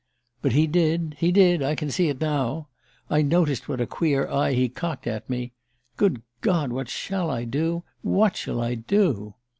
"But he did he did! I can see it now I noticed what a queer eye he cocked at me. Good God, what shall I do what shall I do?"